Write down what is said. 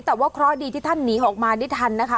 แต่ว่าเคราะห์ดีที่ท่านหนีออกมาได้ทันนะคะ